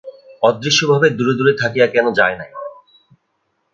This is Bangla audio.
অদৃশ্যভাবে দূরে দূরে থাকিয়া কেন যায় নাই?